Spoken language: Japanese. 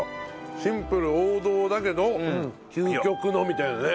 シンプル王道だけど究極のみたいなね。